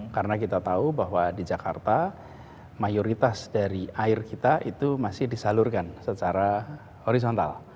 karena kita tahu bahwa di jakarta mayoritas dari air kita itu masih disalurkan secara horizontal